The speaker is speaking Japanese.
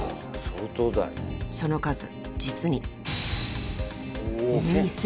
［その数実に］